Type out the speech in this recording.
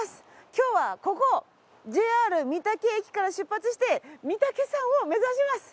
今日はここＪＲ御嶽駅から出発して御岳山を目指します。